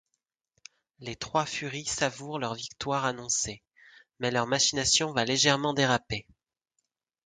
Les trois furies savourent leur victoire annoncée, mais leur machination va légèrement déraper...